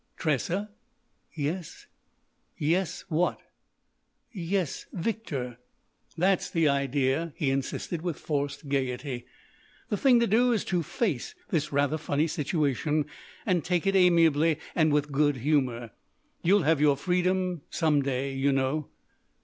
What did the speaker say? "Tressa?" "Yes." "Yes—what?" "Yes—Victor." "That's the idea," he insisted with forced gaiety. "The thing to do is to face this rather funny situation and take it amiably and with good humour. You'll have your freedom some day, you know."